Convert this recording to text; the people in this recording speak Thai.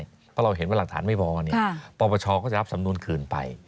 เพราะเราเห็นว่าหลักฐานไม่พอปปชก็จะรับสำนวนคืนไป